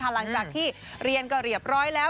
หลังจากที่เรียนก็เรียบร้อยแล้ว